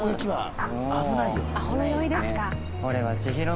あっほろ酔いですか？